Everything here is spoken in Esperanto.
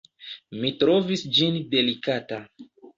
Mi trovis ĝin delikata.